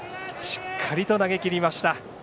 しっかりと投げきりました。